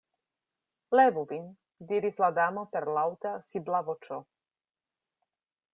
"Levu vin," diris la Damo per laŭta, sibla voĉo.